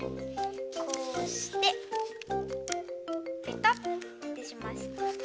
こうしてペタッてします。